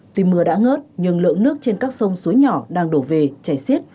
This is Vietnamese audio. tuy mưa đã ngớt nhưng lượng nước trên các sông suối nhỏ đang đổ về chảy xiết